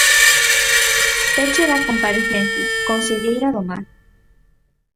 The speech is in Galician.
Peche da comparecencia, conselleira do Mar.